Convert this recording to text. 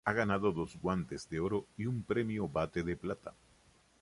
Ha ganado dos Guantes de Oro y un premio Bate de Plata.